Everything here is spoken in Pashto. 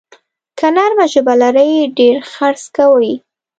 که نرمه ژبه لرې، ډېر خرڅ کوې.